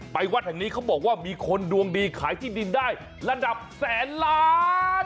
วัดแห่งนี้เขาบอกว่ามีคนดวงดีขายที่ดินได้ระดับแสนล้าน